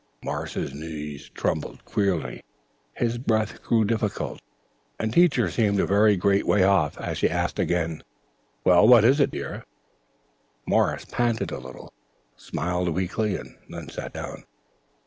Morris's knees trembled queerly, his breathing grew difficult, and Teacher seemed a very great way off as she asked again: "Well, what is it, dear?" Morris panted a little, smiled weakly, and then sat down.